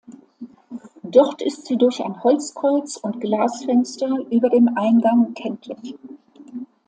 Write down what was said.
Dort ist sie durch ein Holzkreuz und Glasfenster über dem Eingang kenntlich.